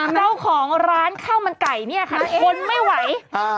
เจ้าของร้านข้าวมันไก่เนี่ยค่ะทนไม่ไหว